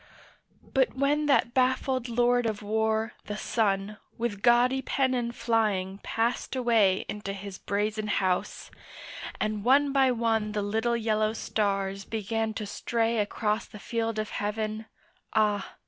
But when that baffled Lord of War the Sun With gaudy pennon flying passed away Into his brazen House, and one by one The little yellow stars began to stray Across the field of heaven, ah!